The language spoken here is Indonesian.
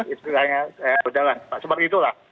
istilahnya saya berdalan seperti itulah